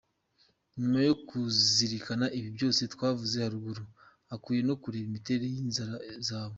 Nyuma yo kuzirikana ibi byose twavuze haruguru, ukwiye no kureba imiterere y’inzara zawe.